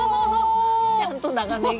ちゃんと長ネギ。